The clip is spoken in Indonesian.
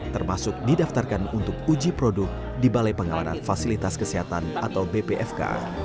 termasuk didaftarkan untuk uji produk di balai pengawanan fasilitas kesehatan atau bpfk